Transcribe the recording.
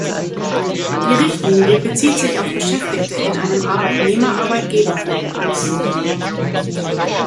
Die Richtlinie bezieht sich auf Beschäftigte in einem Arbeitnehmer-Arbeitgeber-Verhältnis.